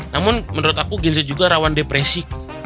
namun menurut aku genzet juga rawan depresi